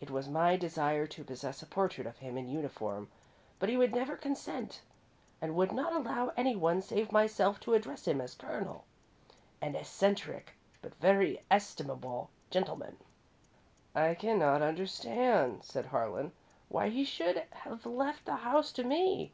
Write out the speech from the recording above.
It was my desire to possess a portrait of him in uniform, but he would never consent, and would not allow anyone save myself to address him as Colonel. An eccentric, but very estimable gentleman." "I cannot understand," said Harlan, "why he should have left the house to me.